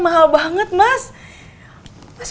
mahal banget mas